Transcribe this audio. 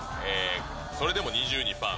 それでも２２パー。